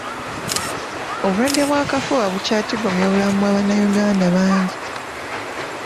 Obulwadde bw'akafuba bukyatigomya obulamu bwa bannayuganda bangi.